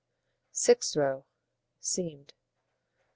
Sixth row: Seamed.